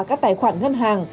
các tài khoản ngân hàng